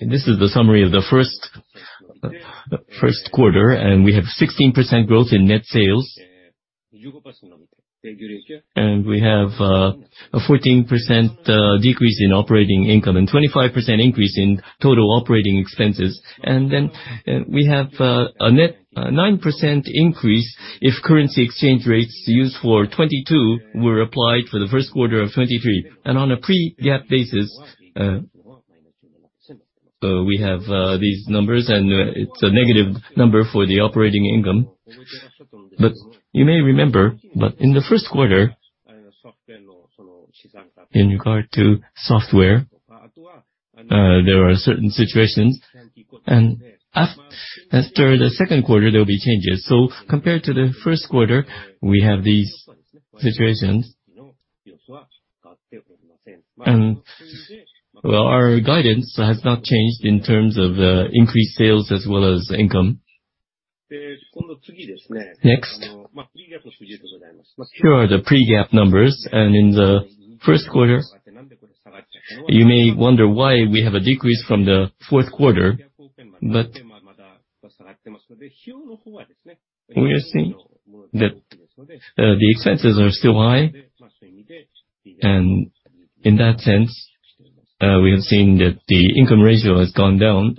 This is the summary of the first quarter, we have 16% growth in net sales. We have a 14% decrease in operating income, 25% increase in total operating expenses. We have a net 9% increase if currency exchange rates used for 2022 were applied for the first quarter of 2023. On a non-GAAP basis, we have these numbers, it's a negative number for the operating income. You may remember, in the first quarter, in regard to software, there were certain situations, and after the second quarter, there will be changes. Compared to the first quarter, we have these situations. Well, our guidance has not changed in terms of increased sales as well as income. Next. Here are the pre-GAAP numbers. In the first quarter, you may wonder why we have a decrease from the fourth quarter. We are seeing that the expenses are still high. In that sense, we have seen that the income ratio has gone down.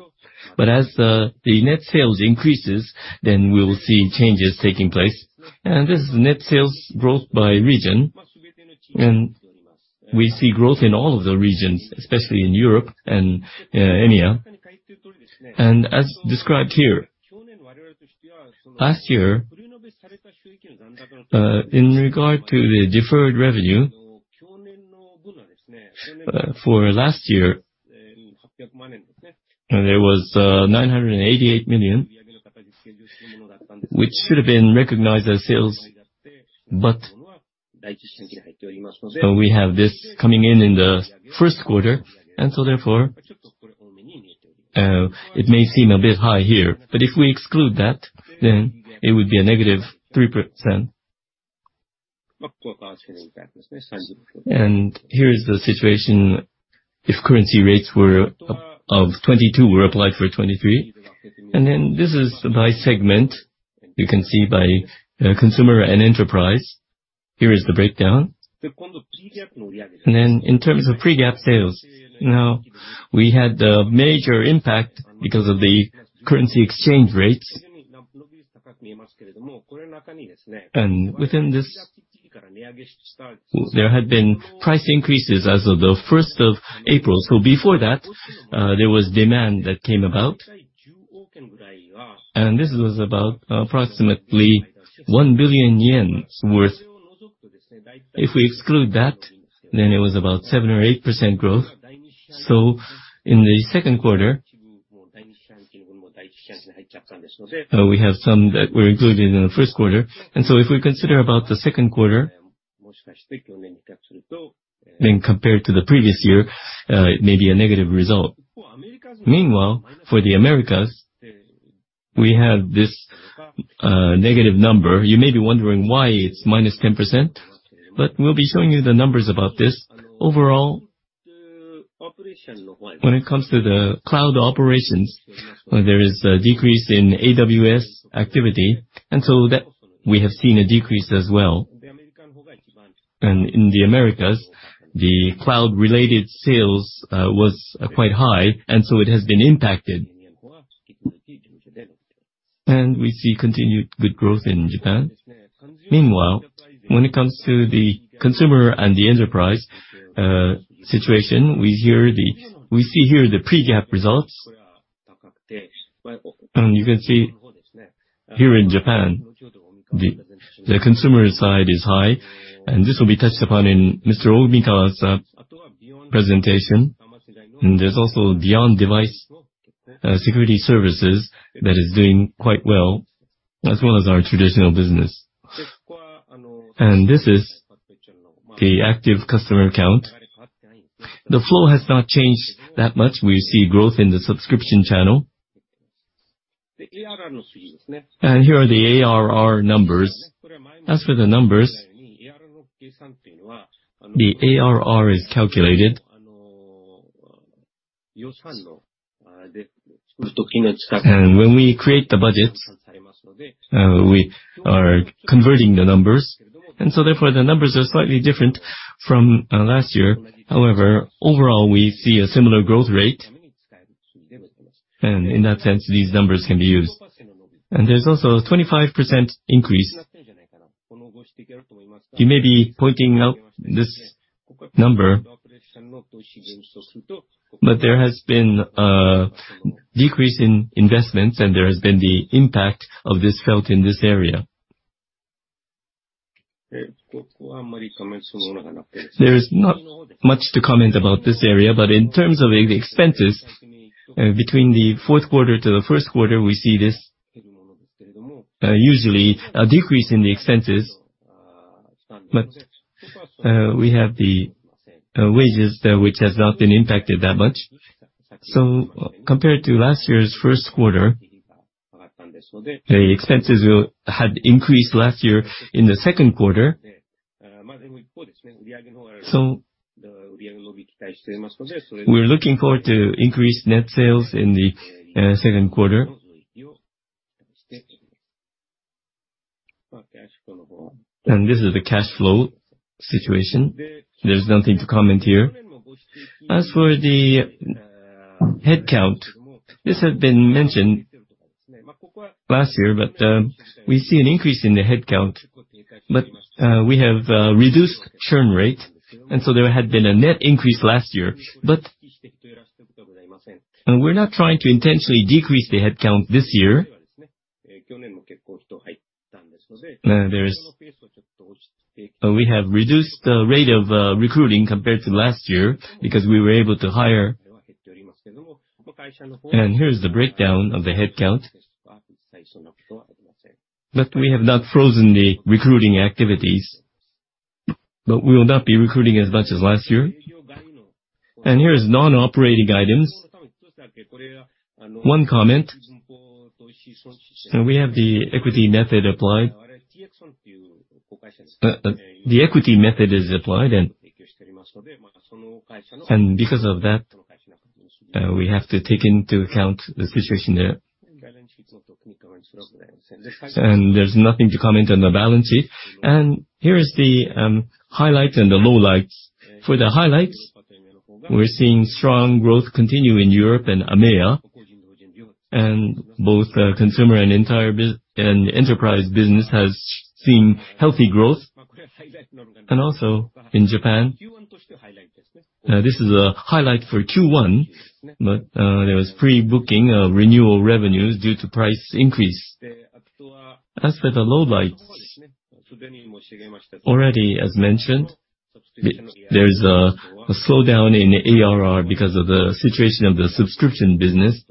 As the net sales increases, we will see changes taking place. This is net sales growth by region. We see growth in all of the regions, especially in Europe and EMEA. As described here, last year, in regard to the deferred revenue, for last year, there was $988 million, which should've been recognized as sales. We have this coming in in the first quarter. Therefore, it may seem a bit high here. If we exclude that, then it would be a -3%. Here is the situation if currency rates of 2022 were applied for 2023. This is by segment. You can see by consumer and enterprise. Here is the breakdown. In terms of non-GAAP sales, now we had a major impact because of the currency exchange rates. Within this, there had been price increases as of April 1. Before that, there was demand that came about, and this was about approximately 1 billion yen worth. If we exclude that, then it was about 7% or 8% growth. In the Q2, we have some that were included in the Q1. If we consider about the Q2, then compared to the previous year, it may be a negative result. Meanwhile, for the Americas, we have this negative number. You may be wondering why it's -10%. We'll be showing you the numbers about this. Overall, when it comes to the cloud operations, there is a decrease in AWS activity. We have seen a decrease as well. In the Americas, the cloud-related sales was quite high. It has been impacted. We see continued good growth in Japan. Meanwhile, when it comes to the consumer and the enterprise situation, we see here the pre-GAAP results. You can see here in Japan, the consumer side is high, and this will be touched upon in Mr. Omikawa's presentation. There's also beyond-device security services that is doing quite well, as well as our traditional business. This is the active customer count. The flow has not changed that much. We see growth in the subscription channel. Here are the ARR numbers. As for the numbers, the ARR is calculated. When we create the budget, we are converting the numbers, so therefore, the numbers are slightly different from last year. However, overall, we see a similar growth rate. In that sense, these numbers can be used. There's also a 25% increase. You may be pointing out this number, but there has been a decrease in investments, and there has been the impact of this felt in this area. There is not much to comment about this area, but in terms of the expenses, between the fourth quarter to the first quarter, we see this usually a decrease in the expenses. We have the wages which has not been impacted that much. Compared to last year's first quarter, the expenses had increased last year in the second quarter. So we're looking forward to increase net sales in the second quarter. This is the cash flow situation. There's nothing to comment here. As for the headcount, this had been mentioned last year, but we see an increase in the headcount. We have reduced churn rate, and so there had been a net increase last year. We're not trying to intentionally decrease the headcount this year. We have reduced the rate of recruiting compared to last year because we were able to hire. Here's the breakdown of the headcount. We have not frozen the recruiting activities, but we will not be recruiting as much as last year. Here's non-operating items. One comment, and we have the equity method applied. The equity method is applied and because of that, we have to take into account the situation there. There's nothing to comment on the balance sheet. Here is the highlight and the lowlights. For the highlights, we're seeing strong growth continue in Europe and EMEA, both the consumer and enterprise business has seen healthy growth. Also in Japan, this is a highlight for Q1, but there was pre-booking of renewal revenues due to price increase. As for the lowlights, already as mentioned, there's a slowdown in ARR because of the situation of the subscription business,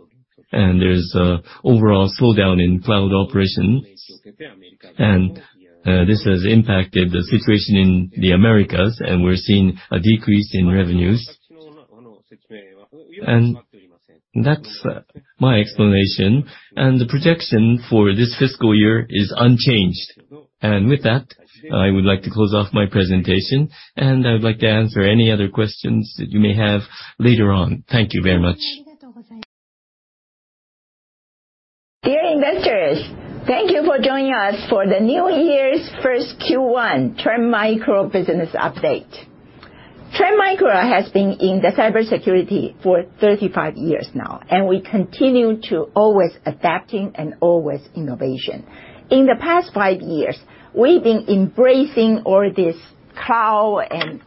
and there's a overall slowdown in cloud operations. This has impacted the situation in the Americas, and we're seeing a decrease in revenues. That's my explanation. The projection for this fiscal year is unchanged. With that, I would like to close off my presentation, and I would like to answer any other questions that you may have later on. Thank you very much. Dear investors, thank you for joining us for the new year's first Q1 Trend Micro business update. Trend Micro has been in the cybersecurity for 35 years now, and we continue to always adapting and always innovation. In the past five years, we've been embracing all this cloud and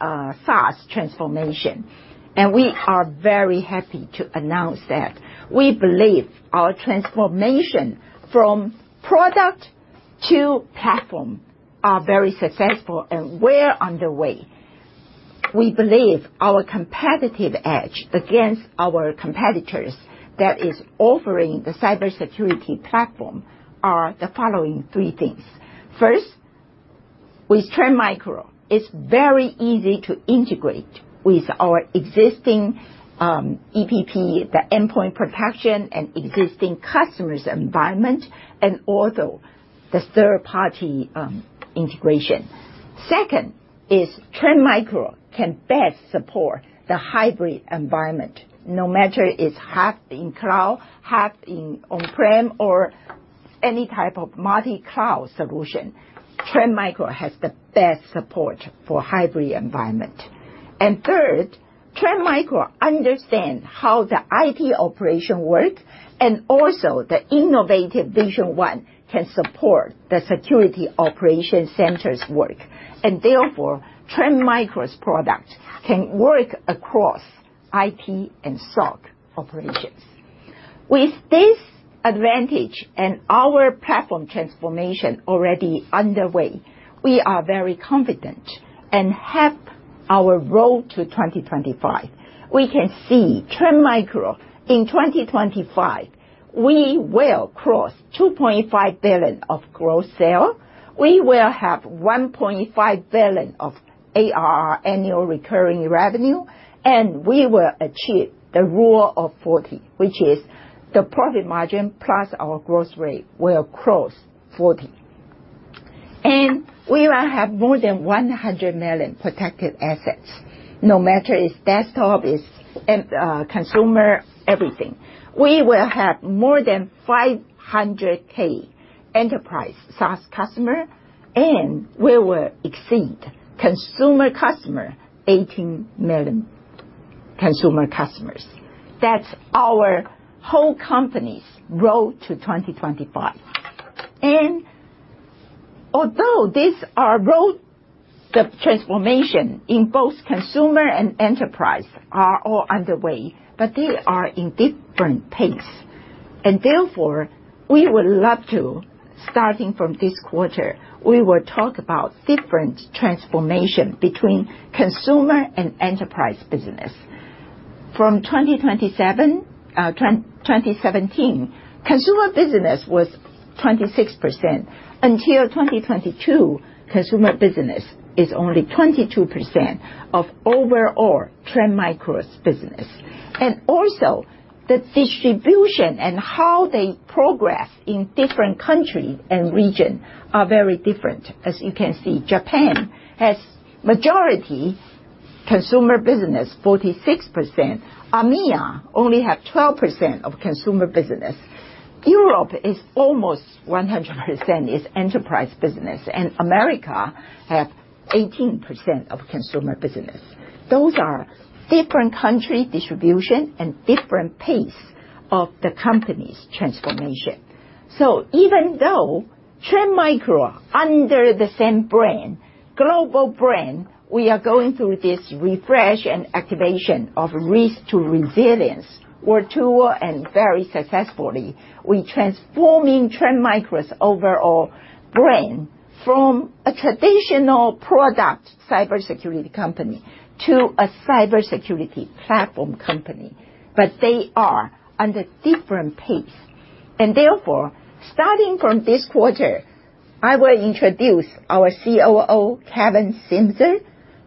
SaaS transformation, and we are very happy to announce that we believe our transformation from product to platform are very successful and well underway. We believe our competitive edge against our competitors that is offering the cybersecurity platform are the following three things. First, with Trend Micro, it's very easy to integrate with our existing EPP, the endpoint protection and existing customers environment, and also the third-party integration. Second is Trend Micro can best support the hybrid environment, no matter it's half in cloud, half in on-prem, or any type of multi-cloud solution. Trend Micro has the best support for hybrid environment. Third, Trend Micro understand how the IT operation work and also the innovative Trend Vision One can support the security operation center's work. Therefore, Trend Micro's product can work across IT and SOC operations. With this advantage and our platform transformation already underway, we are very confident and have our Road to 2025. We can see Trend Micro in 2025, we will cross $2.5 billion of gross sale. We will have $1.5 billion of ARR, annual recurring revenue, and we will achieve the Rule of 40, which is the profit margin plus our growth rate will cross 40%. We will have more than 100 million protected assets, no matter it's desktop, it's consumer, everything. We will have more than 500K enterprise SaaS customers. We will exceed 18 million consumer customers. That's our whole company's The Road to 2025. Although these are road, the transformation in both consumer and enterprise are all underway, but they are in different pace. Therefore, starting from this quarter, we will talk about different transformation between consumer and enterprise business. From 2017, consumer business was 26%. Until 2022, consumer business is only 22% of overall Trend Micro's business. Also, the distribution and how they progress in different country and region are very different. As you can see, Japan has majority consumer business, 46%. EMEA only have 12% of consumer business. Europe is almost 100% is enterprise business. America have 18% of consumer business. Those are different country distribution and different pace of the company's transformation. Even though Trend Micro, under the same brand, global brand, we are going through this refresh and activation of risk to resilience, very successfully. We transforming Trend Micro's overall brand from a traditional product cybersecurity company to a cybersecurity platform company. They are under different pace. Therefore, starting from this quarter, I will introduce our COO, Kevin Simzer.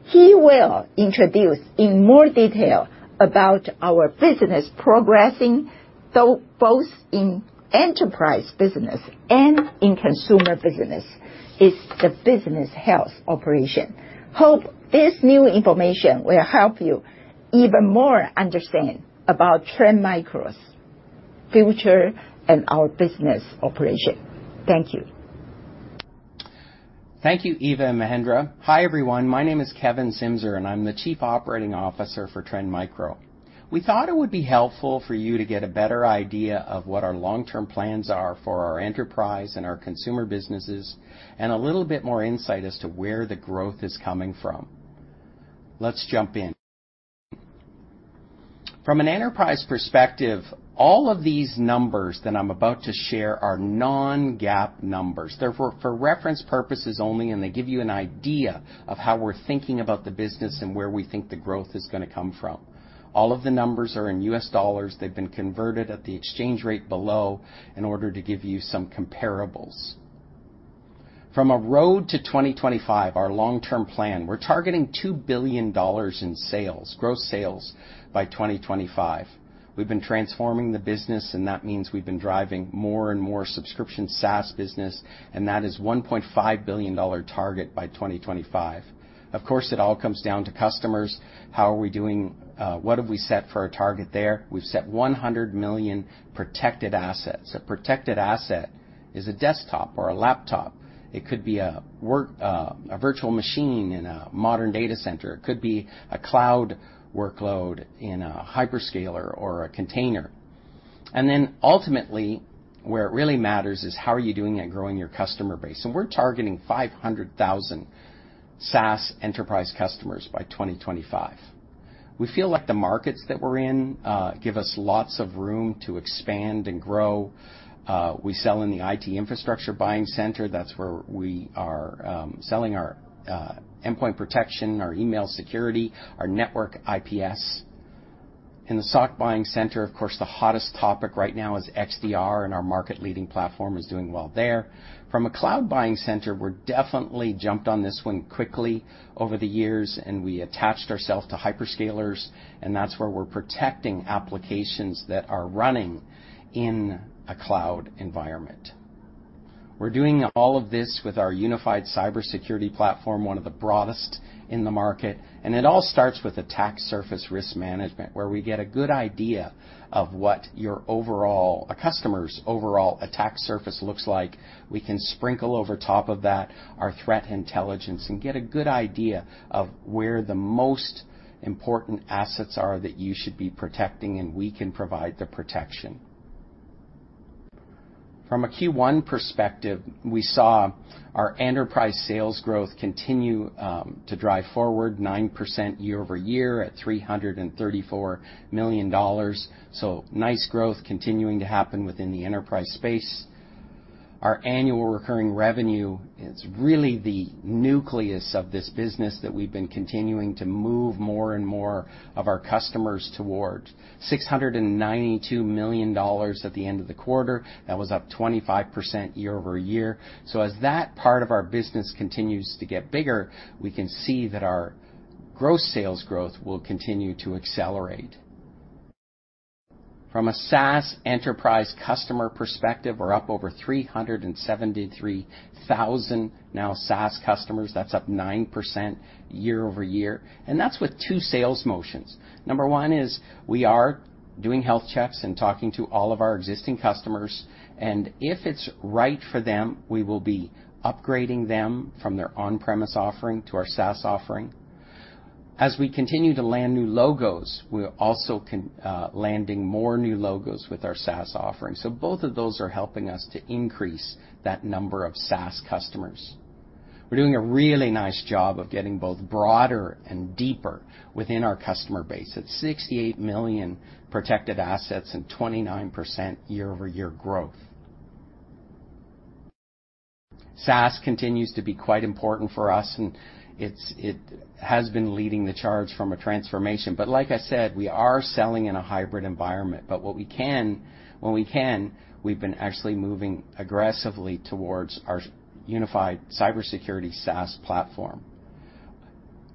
He will introduce in more detail about our business progressing, though both in enterprise business and in consumer business. It's the business health operation. Hope this new information will help you even more understand about Trend Micro's future and our business operation. Thank you. Thank you, Eva and Mahendra. Hi, everyone. My name is Kevin Simzer, and I'm the Chief Operating Officer for Trend Micro. We thought it would be helpful for you to get a better idea of what our long-term plans are for our enterprise and our consumer businesses, and a little bit more insight as to where the growth is coming from. Let's jump in. From an enterprise perspective, all of these numbers that I'm about to share are non-GAAP numbers. They're for reference purposes only, and they give you an idea of how we're thinking about the business and where we think the growth is gonna come from. All of the numbers are in US dollars. They've been converted at the exchange rate below in order to give you some comparables. From The Road to 2025, our long-term plan, we're targeting $2 billion in sales, gross sales by 2025. We've been transforming the business, that means we've been driving more and more subscription SaaS business, that is $1.5 billion target by 2025. It all comes down to customers. How are we doing, what have we set for our target there? We've set 100 million protected assets. A protected asset is a desktop or a laptop. It could be a work, a virtual machine in a modern data center. It could be a cloud workload in a hyperscaler or a container. Ultimately, where it really matters is how are you doing at growing your customer base? We're targeting 500,000 SaaS enterprise customers by 2025. We feel like the markets that we're in give us lots of room to expand and grow. We sell in the IT infrastructure buying center. That's where we are selling our endpoint protection, our email security, our network IPS. In the SOC buying center, of course, the hottest topic right now is XDR, and our market-leading platform is doing well there. From a cloud buying center, we're definitely jumped on this one quickly over the years, and we attached ourselves to hyperscalers, and that's where we're protecting applications that are running in a cloud environment. We're doing all of this with our unified cybersecurity platform, one of the broadest in the market, and it all starts with Attack Surface Risk Management, where we get a good idea of what a customer's overall attack surface looks like. We can sprinkle over top of that our threat intelligence and get a good idea of where the most important assets are that you should be protecting, and we can provide the protection. From a Q1 perspective, we saw our enterprise sales growth continue to drive forward 9% year-over-year at $334 million. Nice growth continuing to happen within the enterprise space. Our Annual Recurring Revenue is really the nucleus of this business that we've been continuing to move more and more of our customers towards $692 million at the end of the quarter. That was up 25% year-over-year. As that part of our business continues to get bigger, we can see that our gross sales growth will continue to accelerate. From a SaaS enterprise customer perspective, we're up over 373,000 now SaaS customers. That's up 9% year-over-year, and that's with two sales motions. Number one is we are doing health checks and talking to all of our existing customers. If it's right for them, we will be upgrading them from their on-premise offering to our SaaS offering. As we continue to land new logos, we're also landing more new logos with our SaaS offering. Both of those are helping us to increase that number of SaaS customers. We're doing a really nice job of getting both broader and deeper within our customer base at 68 million protected assets and 29% year-over-year growth. SaaS continues to be quite important for us, and it has been leading the charge from a transformation. Like I said, we are selling in a hybrid environment. When we can, we've been actually moving aggressively towards our unified cybersecurity SaaS platform.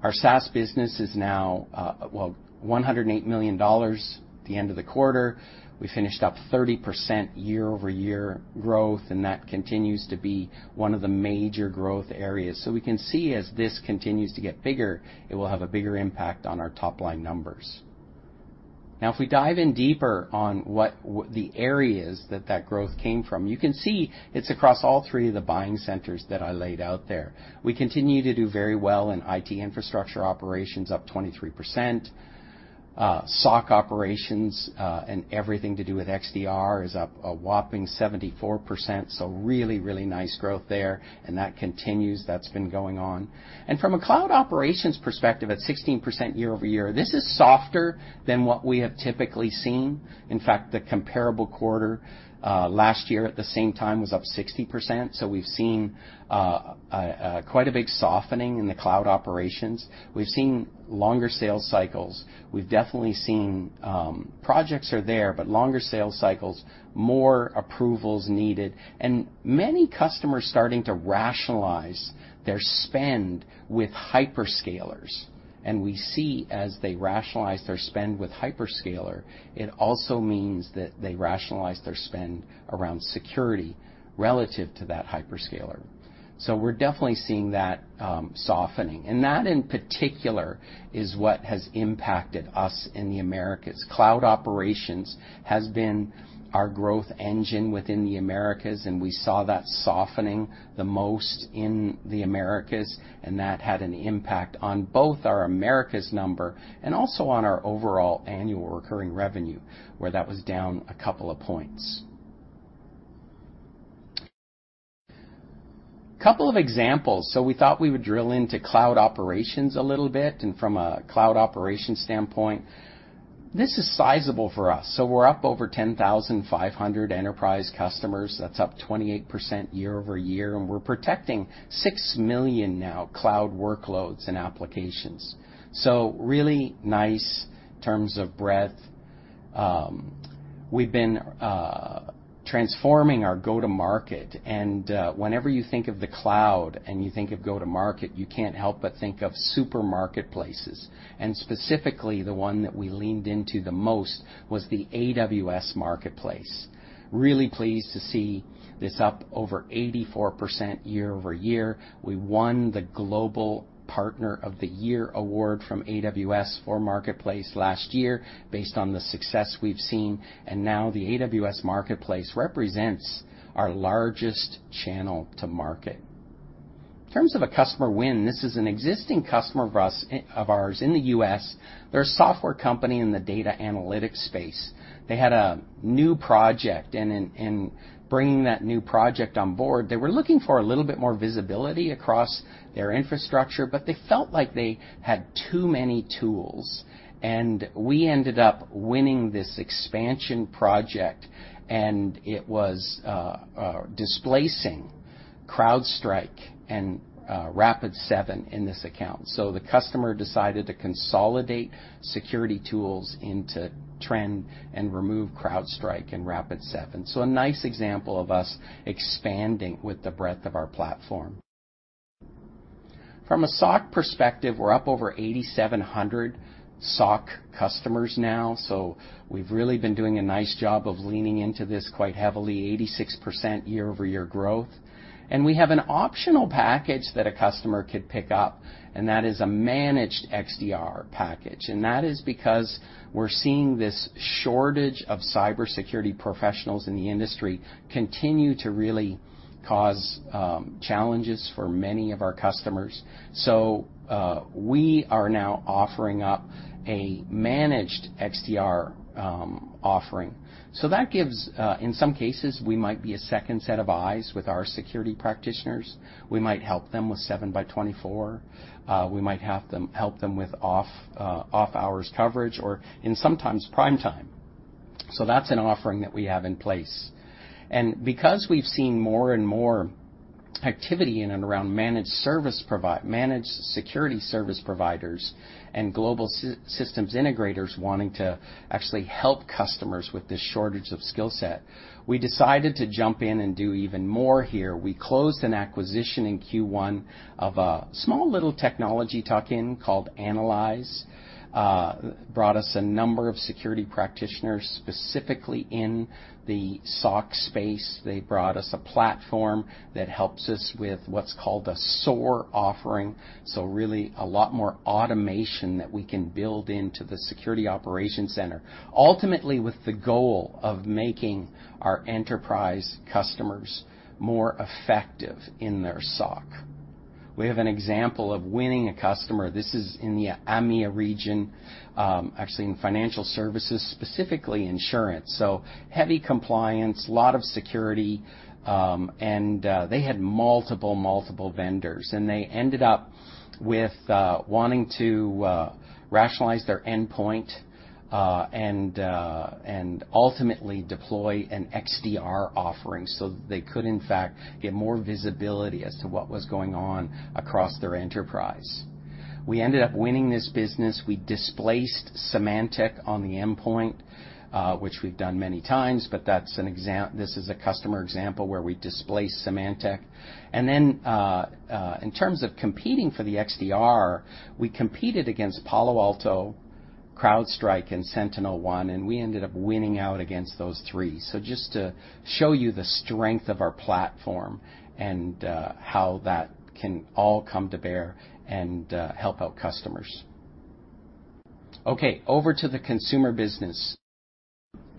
Our SaaS business is now, well, $108 million at the end of the quarter. We finished up 30% year-over-year growth, and that continues to be one of the major growth areas. We can see as this continues to get bigger, it will have a bigger impact on our top-line numbers. If we dive in deeper on what the areas that growth came from, you can see it's across all three of the buying centers that I laid out there. We continue to do very well in IT infrastructure operations, up 23%. SOC operations, and everything to do with XDR is up a whopping 74%, so really, really nice growth there, and that continues. That's been going on. From a cloud operations perspective, at 16% year-over-year, this is softer than what we have typically seen. In fact, the comparable quarter, last year at the same time was up 60%, so we've seen quite a big softening in the cloud operations. We've seen longer sales cycles. We've definitely seen projects are there, but longer sales cycles, more approvals needed, and many customers starting to rationalize their spend with hyperscalers. We see as they rationalize their spend with hyperscaler, it also means that they rationalize their spend around security relative to that hyperscaler. We're definitely seeing that softening. That in particular is what has impacted us in the Americas. Cloud operations has been our growth engine within the Americas, we saw that softening the most in the Americas, that had an impact on both our Americas number and also on our overall annual recurring revenue, where that was down a couple of points. Couple of examples. We thought we would drill into cloud operations a little bit, from a cloud operations standpoint, this is sizable for us. We're up over 10,500 enterprise customers. That's up 28% year-over-year, we're protecting 6 million now cloud workloads and applications. Really nice terms of breadth. We've been transforming our go-to-market, whenever you think of the cloud and you think of go-to-market, you can't help but think of super marketplaces. Specifically, the one that we leaned into the most was the AWS Marketplace. Really pleased to see this up over 84% year-over-year. We won the Global Partner of the Year award from AWS for Marketplace last year based on the success we've seen, now the AWS Marketplace represents our largest channel to market. In terms of a customer win, this is an existing customer of ours in the U.S. They're a software company in the data analytics space. They had a new project, in bringing that new project on board, they were looking for a little bit more visibility across their infrastructure, they felt like they had too many tools. We ended up winning this expansion project, and it was displacing CrowdStrike and Rapid7 in this account. The customer decided to consolidate security tools into Trend and remove CrowdStrike and Rapid7. A nice example of us expanding with the breadth of our platform. From a SOC perspective, we're up over 8,700 SOC customers now, we've really been doing a nice job of leaning into this quite heavily, 86% year-over-year growth. We have an optional package that a customer could pick up, and that is a Managed XDR package. That is because we're seeing this shortage of cybersecurity professionals in the industry continue to really cause challenges for many of our customers. We are now offering up a Managed XDR offering. That gives. In some cases, we might be a second set of eyes with our security practitioners. We might help them with 7 by 24. We might help them with off-hours coverage or in sometimes prime time. That's an offering that we have in place. Because we've seen more and more activity in and around managed security service providers and global systems integrators wanting to actually help customers with this shortage of skill set, we decided to jump in and do even more here. We closed an acquisition in Q1 of a small little technology tuck-in called Anlyz, brought us a number of security practitioners, specifically in the SOC space. They brought us a platform that helps us with what's called a SOAR offering, so really a lot more automation that we can build into the security operations center, ultimately with the goal of making our enterprise customers more effective in their SOC. We have an example of winning a customer. This is in the EMEA region, actually in financial services, specifically insurance, so heavy compliance, lot of security, and they had multiple vendors. They ended up with wanting to rationalize their endpoint, and ultimately deploy an XDR offering so they could in fact get more visibility as to what was going on across their enterprise. We ended up winning this business. We displaced Symantec on the endpoint, which we've done many times, but this is a customer example where we displaced Symantec. In terms of competing for the XDR, we competed against Palo Alto, CrowdStrike, and SentinelOne, and we ended up winning out against those three. Just to show you the strength of our platform and how that can all come to bear and help out customers. Okay, over to the consumer business.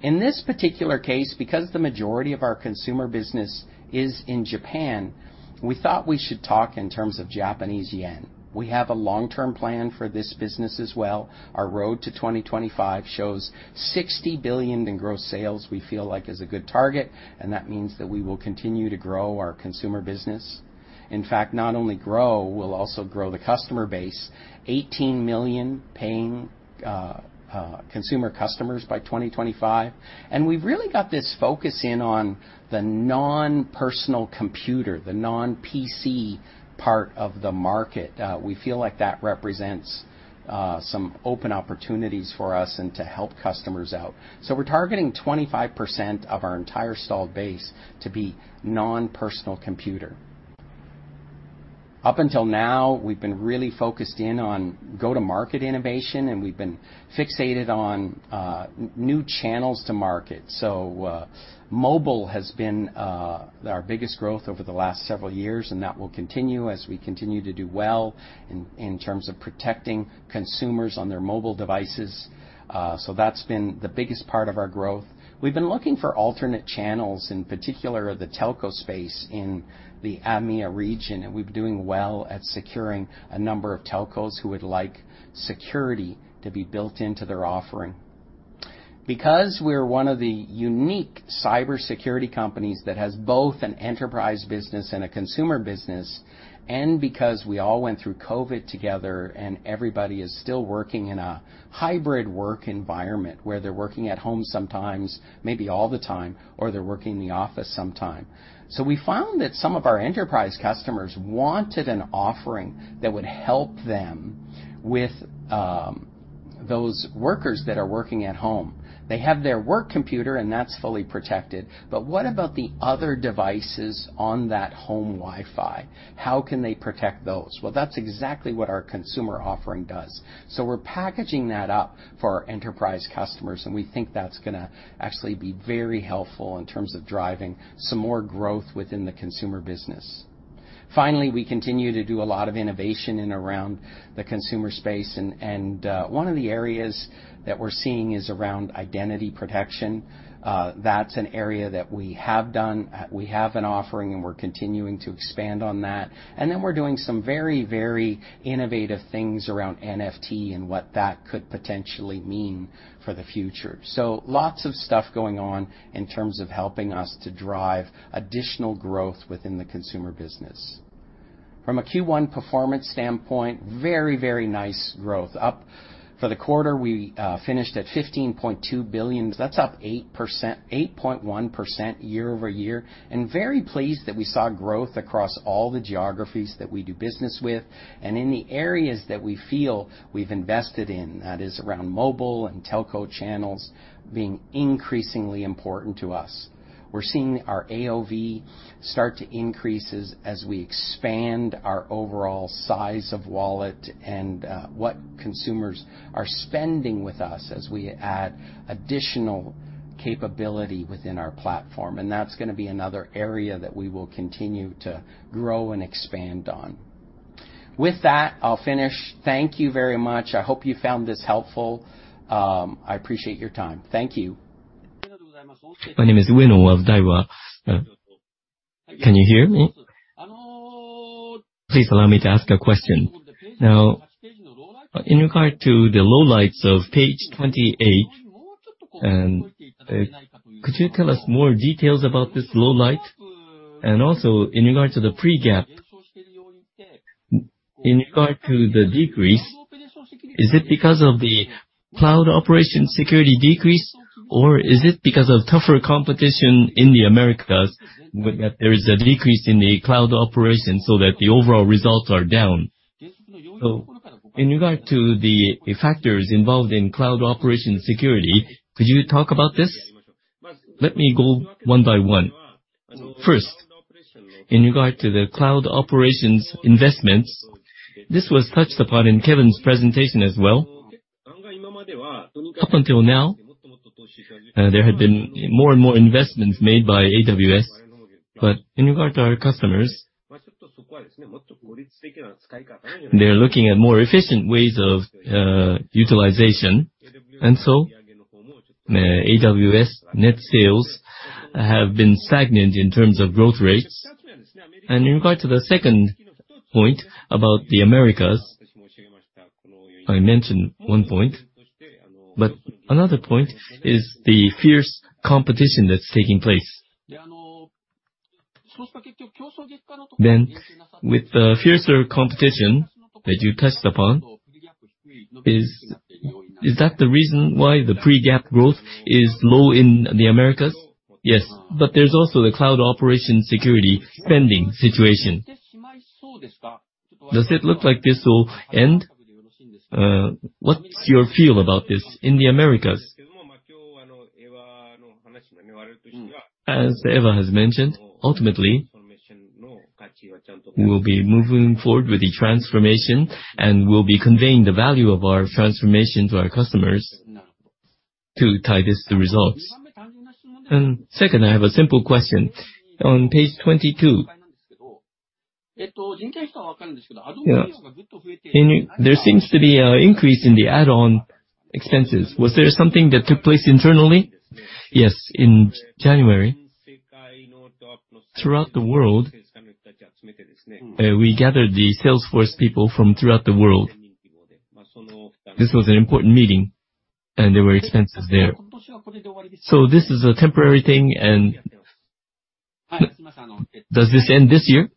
In this particular case, because the majority of our consumer business is in Japan, we thought we should talk in terms of Japanese yen. We have a long-term plan for this business as well. Our Road to 2025 shows 60 billion in gross sales, we feel like is a good target, and that means that we will continue to grow our consumer business. In fact, not only grow, we'll also grow the customer base, 18 million paying consumer customers by 2025. We've really got this focus in on the non-personal computer, the non-PC part of the market. We feel like that represents some open opportunities for us and to help customers out. We're targeting 25% of our entire installed base to be non-personal computer. Up until now, we've been really focused in on go-to-market innovation, and we've been fixated on new channels to market. Mobile has been our biggest growth over the last several years, and that will continue as we continue to do well in terms of protecting consumers on their mobile devices. That's been the biggest part of our growth. We've been looking for alternate channels, in particular the telco space in the EMEA region, and we're doing well at securing a number of telcos who would like security to be built into their offering. Because we're one of the unique cybersecurity companies that has both an enterprise business and a consumer business, and because we all went through COVID together and everybody is still working in a hybrid work environment, where they're working at home sometimes, maybe all the time, or they're working in the office sometime. We found that some of our enterprise customers wanted an offering that would help them with those workers that are working at home. They have their work computer, and that's fully protected, but what about the other devices on that home Wi-Fi? How can they protect those? Well, that's exactly what our consumer offering does. We're packaging that up for our enterprise customers, and we think that's gonna actually be very helpful in terms of driving some more growth within the consumer business. Finally, we continue to do a lot of innovation in around the consumer space and one of the areas that we're seeing is around identity protection. That's an area that we have done. We have an offering, and we're continuing to expand on that. We're doing some very, very innovative things around NFT and what that could potentially mean for the future. Lots of stuff going on in terms of helping us to drive additional growth within the consumer business. From a Q1 performance standpoint, very, very nice growth. Up for the quarter, we finished at $15.2 billion. That's up 8%, 8.1% year-over-year. Very pleased that we saw growth across all the geographies that we do business with. In the areas that we feel we've invested in, that is around mobile and telco channels being increasingly important to us. We're seeing our AOV start to increase as we expand our overall size of wallet and what consumers are spending with us as we add additional capability within our platform. That's gonna be another area that we will continue to grow and expand on. With that, I'll finish. Thank you very much. I hope you found this helpful. I appreciate your time. Thank you. My name is Ueno of Daiwa. Can you hear me? Please allow me to ask a question. In regard to the lowlights of page 28, could you tell us more details about this lowlight? In regard to the pre-GAAP, in regard to the decrease, is it because of the cloud operation security decrease or is it because of tougher competition in the Americas that there is a decrease in the cloud operation so that the overall results are down? In regard to the factors involved in cloud operation security, could you talk about this? Let me go one by one. First, in regard to the cloud operations investments, this was touched upon in Kevin's presentation as well. Up until now, there had been more and more investments made by AWS. In regard to our customers, they're looking at more efficient ways of utilization. AWS net sales have been stagnant in terms of growth rates. In regard to the second point about the Americas, I mentioned one point, but another point is the fierce competition that's taking place. With the fiercer competition that you touched upon, is that the reason why the non-GAAP growth is low in the Americas? Yes. There's also the cloud operation security spending situation. Does it look like this will end? What's your feel about this in the Americas? As Eva has mentioned, ultimately, we'll be moving forward with the transformation and we'll be conveying the value of our transformation to our customers to tie this to results. Second, I have a simple question. On page 22. You know, there seems to be an increase in the add-on expenses. Was there something that took place internally? Yes. In January, throughout the world, we gathered the sales force people from throughout the world. This was an important meeting, and there were expenses there. This is a temporary thing, and does this end this year?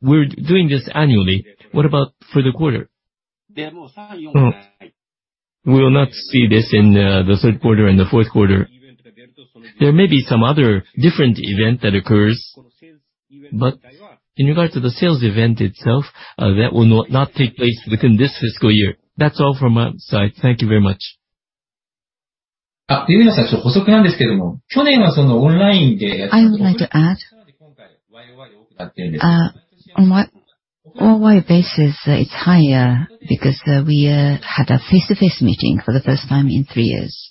We're doing this annually. What about for the quarter? We will not see this in the third quarter and the fourth quarter. There may be some other different event that occurs, but in regard to the sales event itself, that will not take place within this fiscal year. That's all from my side. Thank you very much. I would like to add. On overall basis, it's higher because we had a face-to-face meeting for the first time in three years.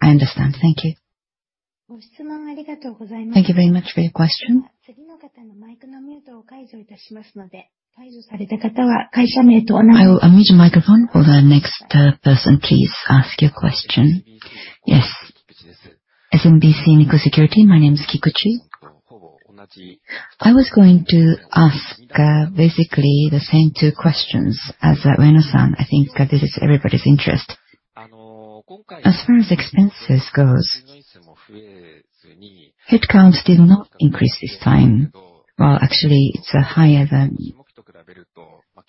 I understand. Thank you. Thank you very much for your question. I will unmute your microphone for the next person. Please ask your question. Yes. SMBC Nikko Securities, my name is Kikuchi. I was going to ask, basically the same two questions as Rena San. I think this is everybody's interest. As far as expenses goes, headcounts did not increase this time. Well, actually, it's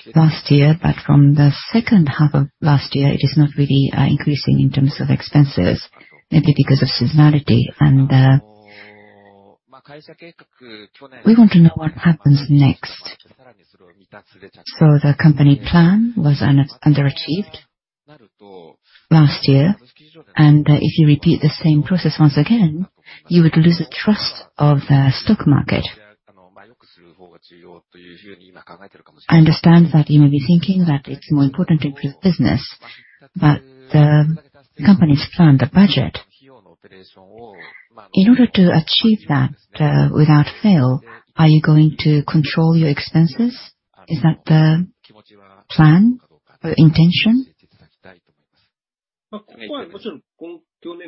higher than last year, but from the second half of last year, it is not really increasing in terms of expenses, maybe because of seasonality. We want to know what happens next. The company plan was underachieved last year. If you repeat the same process once again, you would lose the trust of the stock market. I understand that you may be thinking that it's more important to grow the business. The company's plan, the budget, in order to achieve that, without fail, are you going to control your expenses? Is that the plan or intention? Last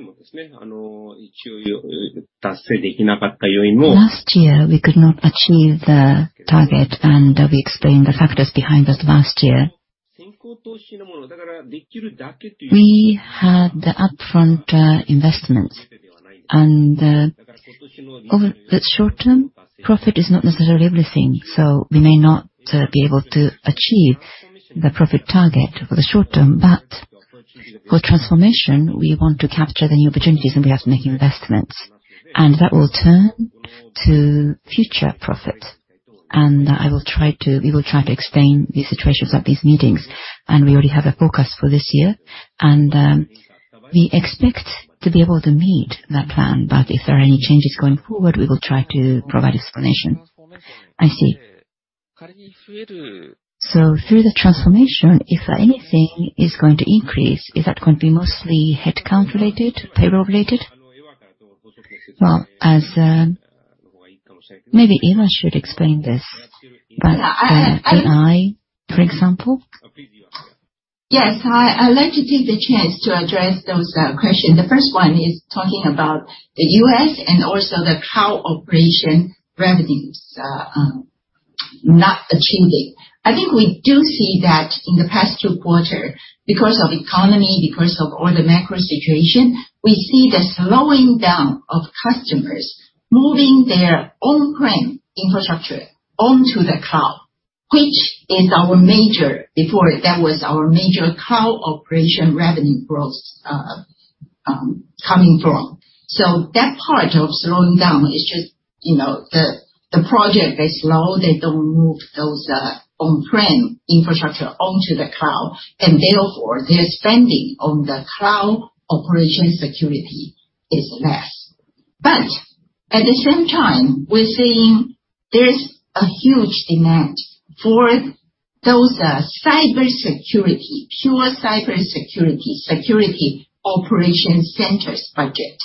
year, we could not achieve the target, and we explained the factors behind that last year. We had the upfront investments, and over the short term, profit is not necessarily everything, so we may not be able to achieve the profit target for the short term. For transformation, we want to capture the new opportunities, and we have to make investments, and that will turn to future profit. We will try to explain these situations at these meetings. We already have a forecast for this year, and we expect to be able to meet that plan. If there are any changes going forward, we will try to provide explanation. I see. Through the transformation, if anything is going to increase, is that going to be mostly headcount related, payroll related? Well, as... Maybe Eva should explain this. The AI, for example. Yes. I'd like to take the chance to address those questions. The first one is talking about the U.S. and also the cloud operation revenues not achieving. I think we do see that in the past two quarter because of economy, because of all the macro situation, we see the slowing down of customers moving their on-prem infrastructure onto the cloud, which is our major. Before, that was our major cloud operation revenue growth coming from. That part of slowing down is just, you know, the project, they slow, they don't move those on-prem infrastructure onto the cloud, and therefore, their spending on the cloud operation security is less. At the same time, we're seeing there's a huge demand for those cybersecurity, pure cybersecurity, Security Operations Centers budget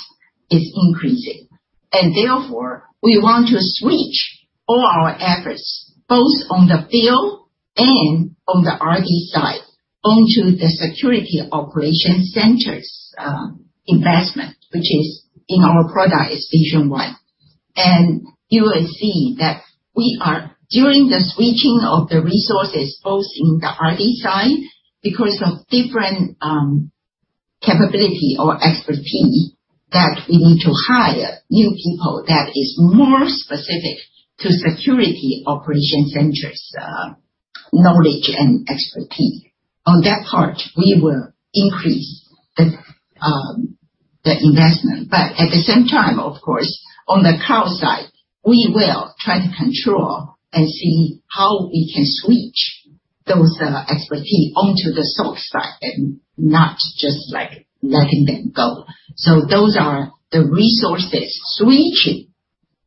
is increasing. Therefore, we want to switch all our efforts, both on the field and on the RD side, onto the security operations centers investment, which is in our product is Trend Vision One. You will see that we are doing the switching of the resources both in the RD side because of different capability or expertise that we need to hire new people that is more specific to security operations centers knowledge and expertise. On that part, we will increase the investment. At the same time, of course, on the cloud side, we will try to control and see how we can switch those expertise onto the SOC side and not just, like, letting them go. Those are the resources switching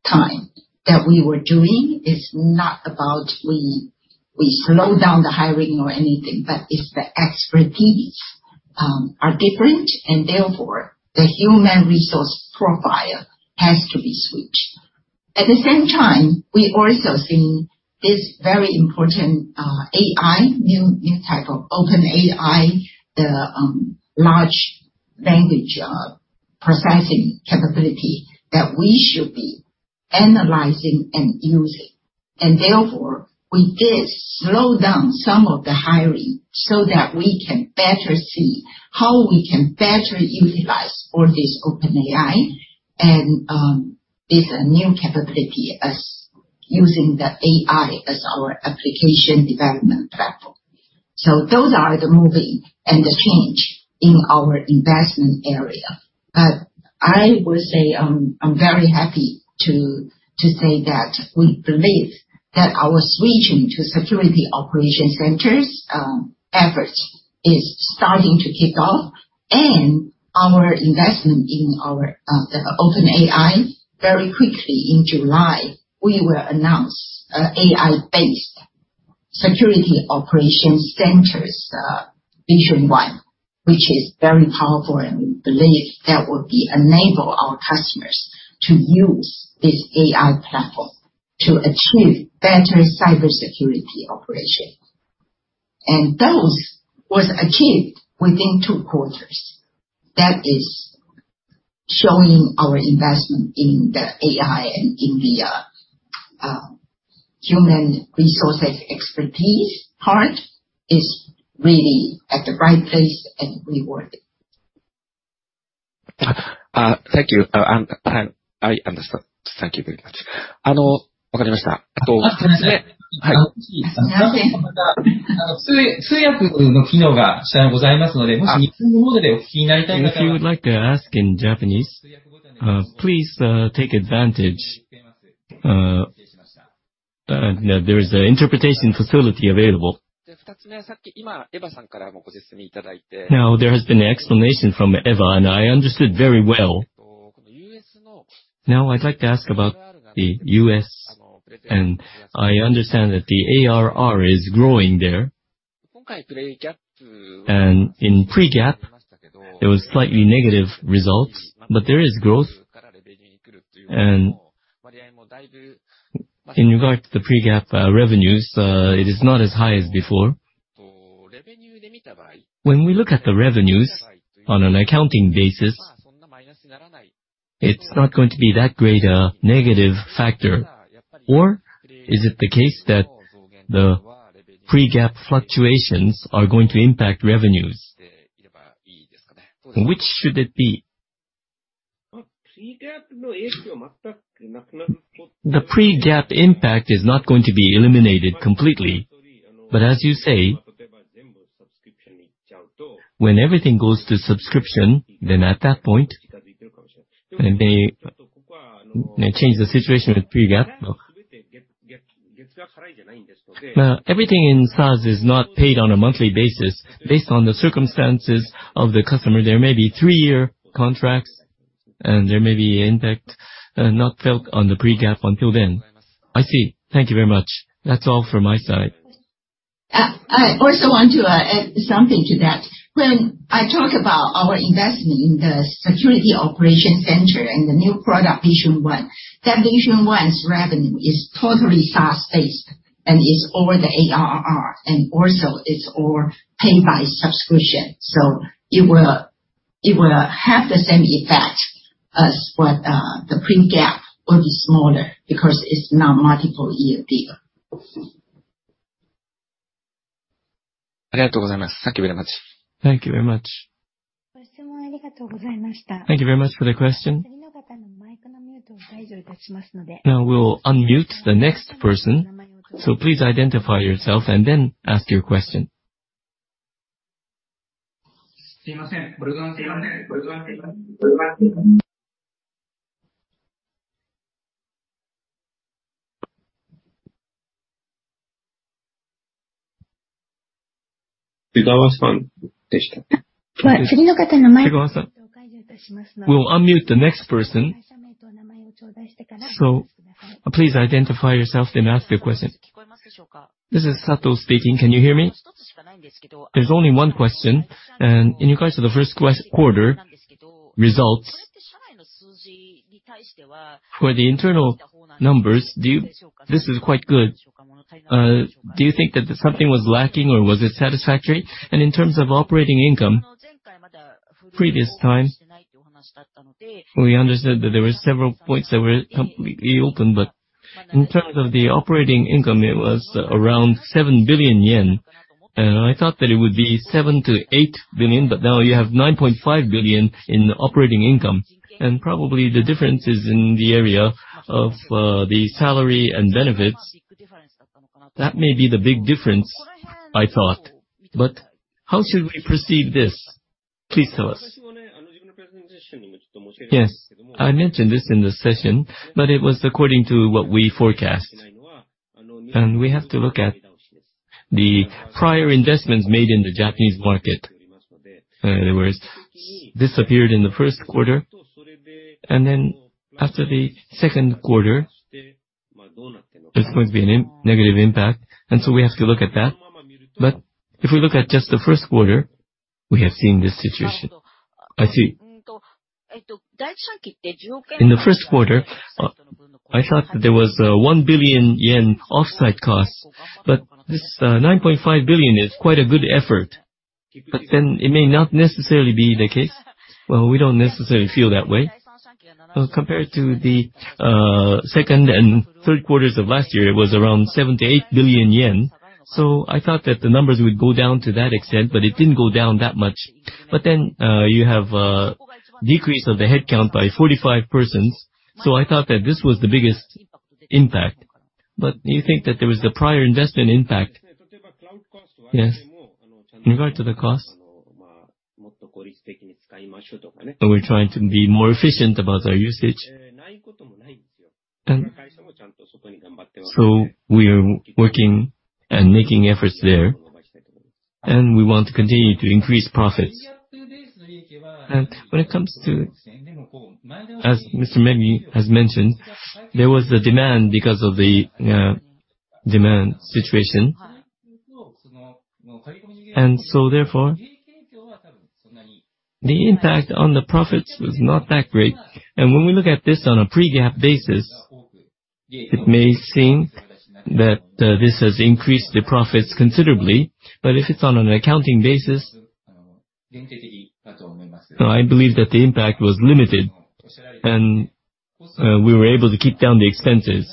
time that we were doing is not about we slow down the hiring or anything, but it's the expertise are different and therefore, the human resource profile has to be switched. At the same time, we also seen this very important AI, new type of OpenAI, the Large Language processing capability that we should be analyzing and using. Therefore, we did slow down some of the hiring so that we can better see how we can better utilize all this OpenAI and this new capability as using the AI as our application development platform. Those are the moving and the change in our investment area. I would say, I'm very happy to say that we believe that our switching to security operations centers efforts is starting to kick off. Our investment in our the OpenAI, very quickly in July, we will announce AI-based security operations centers Vision One, which is very powerful and we believe that will be enable our customers to use this AI platform to achieve better cybersecurity operation. Those was achieved within two quarters. That is showing our investment in the AI and in the human resources expertise part is really at the right place and rewarding. Thank you. Thank you very much. If you would like to ask in Japanese, please take advantage, there is an interpretation facility available. Now, there has been an explanation from Eva, and I understood very well. Now I'd like to ask about the U.S., and I understand that the ARR is growing there. In non-GAAP, there was slightly negative results, but there is growth. In regard to the non-GAAP revenues, it is not as high as before. When we look at the revenues on an accounting basis, it's not going to be that great a negative factor. Is it the case that the non-GAAP fluctuations are going to impact revenues? Which should it be? The non-GAAP impact is not going to be eliminated completely. As you say, when everything goes to subscription, then at that point, they change the situation with non-GAAP. Everything in SaaS is not paid on a monthly basis. Based on the circumstances of the customer, there may be three-year contracts, and there may be impact not felt on the non-GAAP until then. I see. Thank you very much. That's all from my side. I also want to add something to that. When I talk about our investment in the security operation center and the new product, Vision One, that Vision One's revenue is totally SaaS-based and is all the ARR, and also it's all paid by subscription. It will have the same effect as what the non-GAAP will be smaller because it's now multiple year deal. Thank you very much. Thank you very much for the question. We'll unmute the next person, so please identify yourself and then ask your question. We'll unmute the next person. Please identify yourself, then ask your question. This is Sato speaking. Can you hear me? There's only one question. In regards to the first quarter results, for the internal numbers, do you... This is quite good. Do you think that something was lacking or was it satisfactory? In terms of operating income, previous time, we understood that there were several points that were completely open. In terms of the operating income, it was around 7 billion yen. I thought that it would be 7 billion-8 billion, but now you have 9.5 billion in operating income. Probably the difference is in the area of the salary and benefits. That may be the big difference, I thought. How should we perceive this? Please tell us. Yes. I mentioned this in the session, it was according to what we forecast. We have to look at the prior investments made in the Japanese market. Whereas this appeared in the first quarter. After the second quarter, this might be a negative impact, we have to look at that. If we look at just the first quarter, we have seen this situation. I see. In the first quarter, I thought that there was 1 billion yen offsite costs, this 9.5 billion is quite a good effort. It may not necessarily be the case. Well, we don't necessarily feel that way. Compared to the second and third quarters of last year, it was around 7 billion-8 billion yen. I thought that the numbers would go down to that extent, it didn't go down that much. You have a decrease of the headcount by 45 persons, I thought that this was the biggest impact. You think that there was the prior investment impact. Yes. In regard to the cost, we're trying to be more efficient about our usage. We are working and making efforts there, and we want to continue to increase profits. When it comes to, as Mr. Megumi has mentioned, there was the demand because of the demand situation. Therefore, the impact on the profits was not that great. When we look at this on a pre-GAAP basis, it may seem that this has increased the profits considerably. If it's on an accounting basis, I believe that the impact was limited and we were able to keep down the expenses.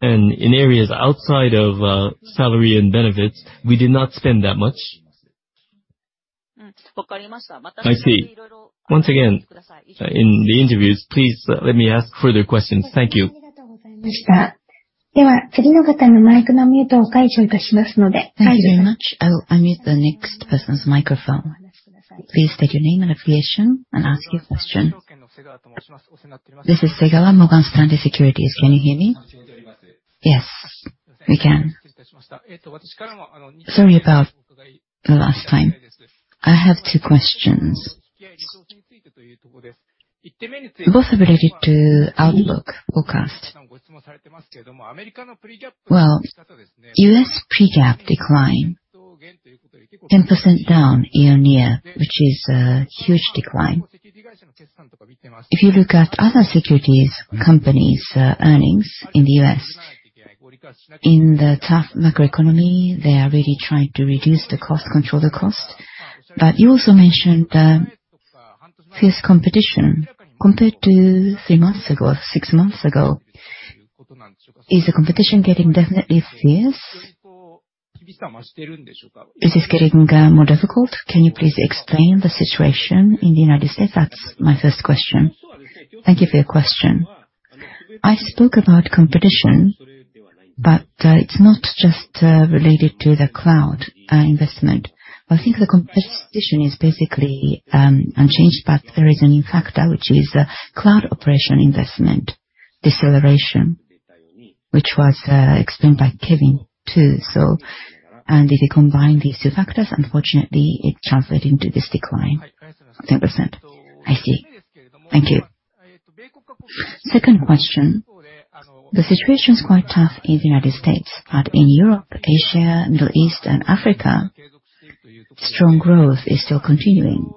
In areas outside of salary and benefits, we did not spend that much. I see. Once again, in the interviews, please let me ask further questions. Thank you. Thank you very much. I'll unmute the next person's microphone. Please state your name and affiliation and ask your question. This is Segawa, Morgan Stanley Securities. Can you hear me? Yes, we can. Sorry about the last time. I have two questions. Both are related to outlook forecast. Well, U.S. non-GAAP declined 10% down year-on-year, which is a huge decline. If you look at other securities companies' earnings in the U.S., in the tough macroeconomy, they are really trying to reduce the cost, control the cost. You also mentioned fierce competition. Compared to three months ago or 6 months ago, is the competition getting definitely fierce? Is this getting more difficult? Can you please explain the situation in the United States? That's my first question. Thank you for your question. I spoke about competition, but it's not just related to the cloud investment. I think the competition is basically unchanged, but there is a new factor, which is cloud operation investment deceleration, which was explained by Kevin too. If you combine these two factors, unfortunately it translated into this decline, 10%. I see. Thank you. Second question. The situation is quite tough in the United States, but in Europe, Asia, Middle East and Africa, strong growth is still continuing.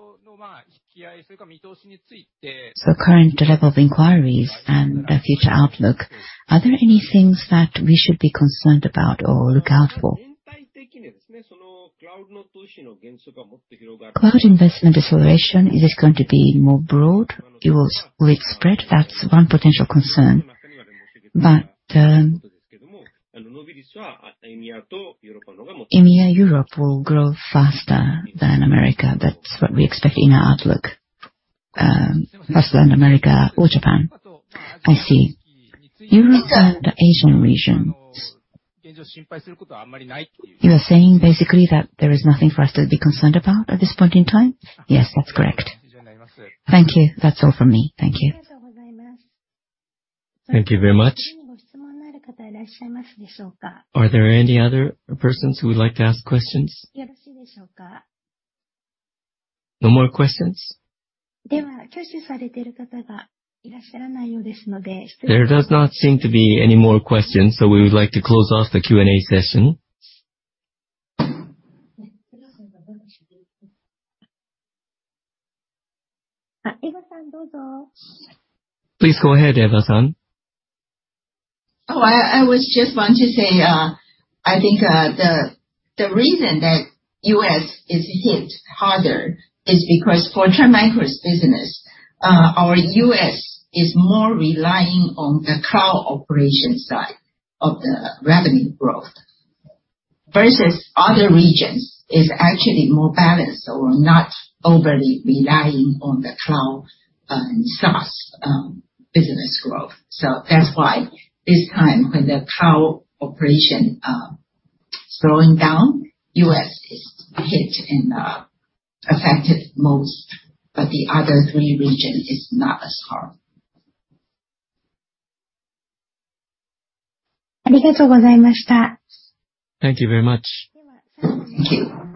Current level of inquiries and the future outlook, are there any things that we should be concerned about or look out for? Cloud investment deceleration, is this going to be more broad? It will spread? That's one potential concern. EMEA, Europe will grow faster than America. That's what we expect in our outlook. Faster than America or Japan. I see. Europe and the Asian regions. You are saying basically that there is nothing for us to be concerned about at this point in time? Yes, that's correct. Thank you. That's all from me. Thank you. Thank you very much. Are there any other persons who would like to ask questions? No more questions? There does not seem to be any more questions. We would like to close off the Q&A session. Please go ahead, Eva-san. I was just want to say, I think the reason that U.S. is hit harder is because for Trend Micro's business, our U.S. is more relying on the cloud operation side of the revenue growth. Versus other regions is actually more balanced or not overly relying on the cloud, SaaS business growth. That's why this time when the cloud operation slowing down, U.S. is hit and affected most, but the other three region is not as hard. Thank you very much. Thank you.